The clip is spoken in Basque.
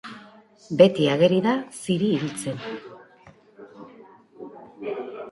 Beti ageri da Ziri hiltzen.